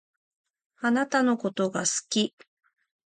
あなたのことが好き。